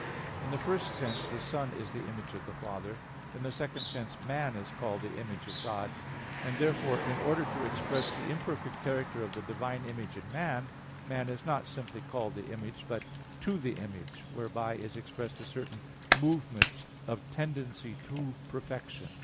In the first sense the Son is the Image of the Father; in the second sense man is called the image of God; and therefore in order to express the imperfect character of the divine image in man, man is not simply called the image, but "to the image," whereby is expressed a certain movement of tendency to perfection.